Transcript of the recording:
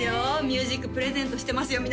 ミュージックプレゼントしてますよ